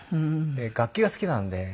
楽器が好きなんで。